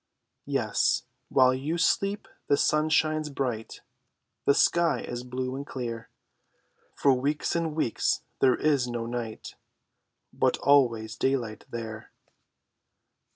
Yes, while you sleep the sun shines bright, The sky is blue and clear; For weeks and weeks there is no night But always daylight there.